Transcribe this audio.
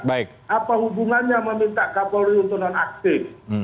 apa hubungannya meminta kapolri untuk non aktif